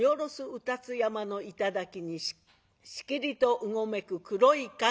卯辰山の頂にしきりとうごめく黒い影。